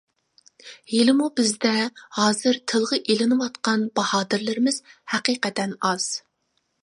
ھېلىمۇ بىزدە ھازىر تىلغا ئېلىنىۋاتقان باھادىرلىرىمىز ھەقىقەتەن ئاز.